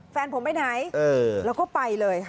แฟนผมไปไหนแล้วก็ไปเลยค่ะ